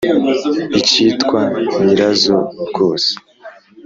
ikitwa nyirazo rwose,